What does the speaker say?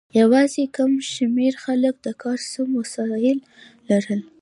یوازې کم شمیر خلکو د کار سم وسایل لرل.